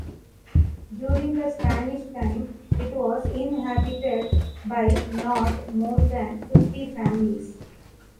During the Spanish time, it was inhabited by not more than fifty families.